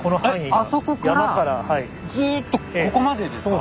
あそこからずっとここまでですか？